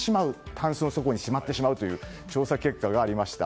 たんすの底に閉まってしまうという調査結果がありました。